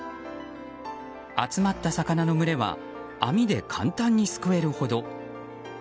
集まった魚の群れは網で簡単にすくえるほど。